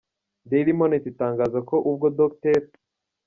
Daily Monitor itangaza ko ubwo Dr.